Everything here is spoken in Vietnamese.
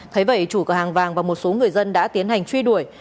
thấy vậy chủ cửa hàng vàng và một số người dân đã tiến hành truy đuổi